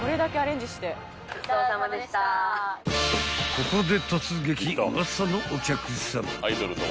［ここで］